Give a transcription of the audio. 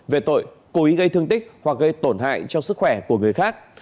về tội cố ý gây thương tích hoặc gây tổn hại cho sức khỏe của người khác